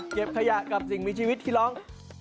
ขยะกับสิ่งมีชีวิตที่ร้อง